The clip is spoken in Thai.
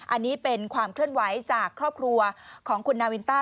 อันนี้เป็นความเคลื่อนไหวจากครอบครัวของคุณนาวินต้า